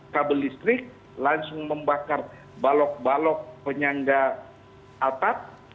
kabel listrik langsung membakar balok balok penyangga atap